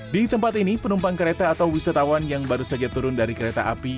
di tempat ini penumpang kereta atau wisatawan yang baru saja turun dari kereta api